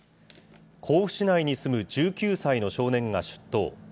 甲府市内に住む１９歳の少年が出頭。